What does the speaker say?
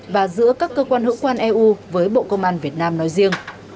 và giữa các cơ quan hữu quan eu với bộ công an việt nam nói riêng